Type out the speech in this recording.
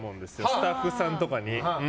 スタッフさんとかに。